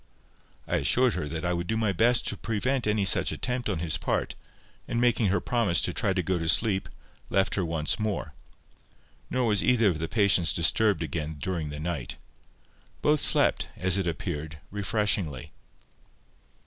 I assured her I would do my best to prevent any such attempt on his part, and making her promise to try to go to sleep, left her once more. Nor was either of the patients disturbed again during the night. Both slept, as it appeared, refreshingly.